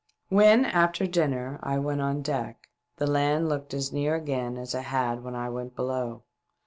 When, after dining, I went on deck, the land looked as near again as it had when I went below.